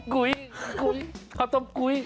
กุ้ยแเหข้าวต้มกุ้ย